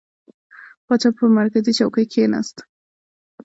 پاچا به پر مرکزي چوکۍ کښېنست.